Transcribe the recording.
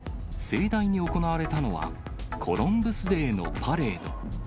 １１日、盛大に行われたのは、コロンブスデーのパレード。